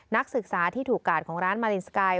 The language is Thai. นักศึกษาที่ถูกกาดของร้านมารินสกาย